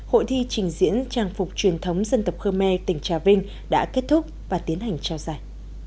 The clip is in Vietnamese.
hội thi trình diễn trang phục truyền thống dân tộc khơ me tỉnh trà vinh đã kết thúc và tiến hành trao giải